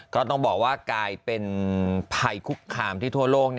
ก็ต้องบอกว่ากลายเป็นภัยคุกคามที่ทั่วโลก